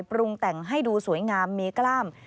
ปรุงแต่งให้ดูสวยงามมีกล้าม